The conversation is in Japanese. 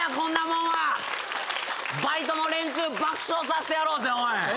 バイトの連中爆笑さしてやろうぜおい。